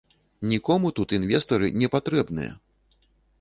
Нікому тут інвестары не патрэбныя!